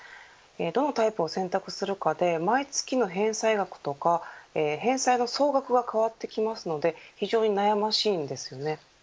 どのタイプを選択するかで毎月の返済額とか返済の総額が変わってきますので非常に悩ましいんですよね。